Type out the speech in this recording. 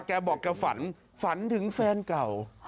แกบอกแกฝันฝันถึงแฟนเก่า